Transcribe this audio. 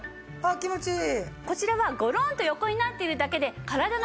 気持ちいい。